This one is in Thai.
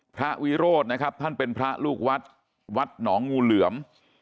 วิโรธนะครับท่านเป็นพระลูกวัดวัดหนองงูเหลือม